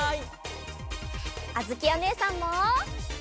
あづきおねえさんも！